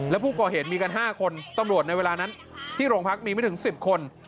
และผู้ก่อเหตุมีกัน๕คนตำรวจในเวลานั้นที่โรงพักมีไม่ถึง๑๐คน